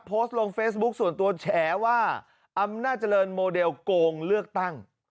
โพสต์ลงเฟซบุ๊คส่วนตัวแฉว่าอำนาจเจริญโมเดลโกงเลือกตั้ง